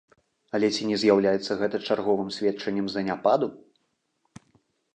Але ці не з'яўляецца гэта чарговым сведчаннем заняпаду?